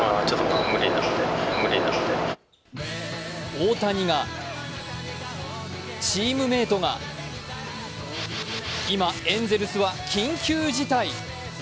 大谷がチームメートが今、エンゼルスは緊急事態。